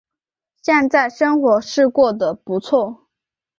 现在生活是过得不错